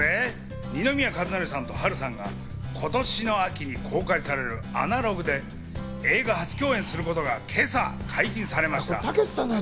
二宮和也さんと波瑠さんが今年の秋に公開される『アナログ』で映画初共演することが今朝解禁されました。